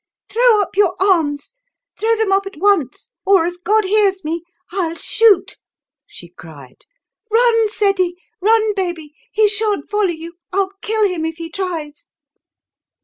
"Throw up your arms throw them up at once, or, as God hears me, I'll shoot!" she cried. "Run, Ceddie run, baby! He shan't follow you I'll kill him if he tries!"